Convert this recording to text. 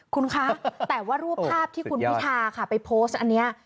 คุณคะแต่ว่ารูปภาพที่คุณพิธาค่ะไปโพสต์อันนี้